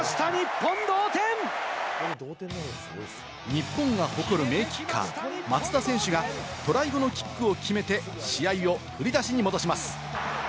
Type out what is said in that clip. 日本が誇る名キッカー・松田選手がトライ後のキックを決めて試合を振り出しに戻します。